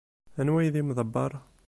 Anwa ay d imḍebber?